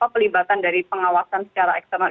pelibatan dari pengawasan secara eksternal